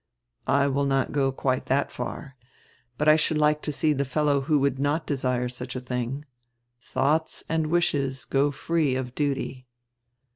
"I will not go quite that far. But I should like to see die fellow who would not desire such a thing. Thoughts and wishes go free of duty."